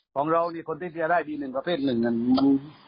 ของเรานี่คนที่เชียร์ได้มี๑ประเภท๑นั่น